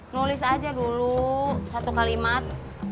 nulis aja dulu satu kalimat